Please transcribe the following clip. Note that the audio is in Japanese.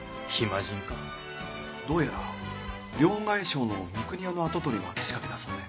どうやら両替商の三国屋の跡取りがけしかけたそうで。